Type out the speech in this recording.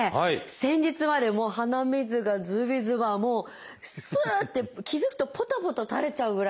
先日までもう鼻水がずびずばもうすって気付くとぽたぽた垂れちゃうぐらい